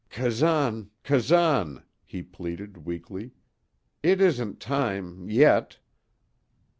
"Kazan, Kazan," he pleaded, weakly, "it isn't time yet!"